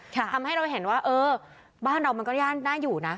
ทำให้เราเห็นว่าเออบ้านเรามันก็น่าอยู่นะ